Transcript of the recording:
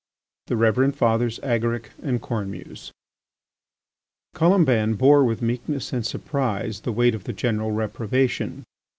THE REVEREND FATHERS AGARIC AND CORNEMUSE Colomban bore with meekness and surprise the weight of the general reprobation.